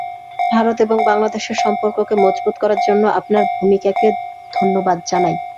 ভারত এবং বাংলাদেশের সম্পর্ককে মজবুত করার জন্য আপনার ভূমিকাকে ধন্যবাদ জানাই।